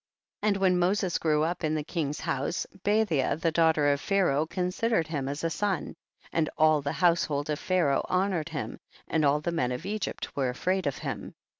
33. And when Moses grew up in the king's house, Bathia the daugh ter of Pharaoh considered him as a son, and all the household of Pha raoh honored him, and all the men of Egypt were afraid of him.